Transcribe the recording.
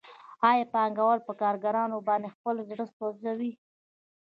آیا پانګوال په کارګرانو باندې خپل زړه سوځوي